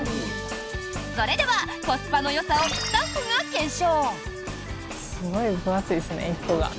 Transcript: それでは、コスパのよさをスタッフが検証。